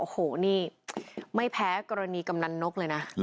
โอ้โหนี่ไม่แพ้กรณีกำนันนกเลยนะ